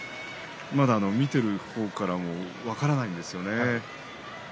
見ている方からも分からないんですよね。